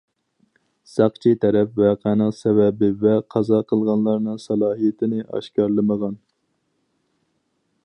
ساقچى تەرەپ ۋەقەنىڭ سەۋەبى ۋە قازا قىلغانلارنىڭ سالاھىيىتىنى ئاشكارىلىمىغان.